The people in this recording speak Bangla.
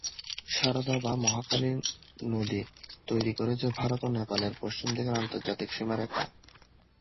সারদা বা মহাকালী নদী তৈরি করেছে ভারত ও নেপালের পশ্চিম দিকের আন্তর্জাতিক সীমারেখা।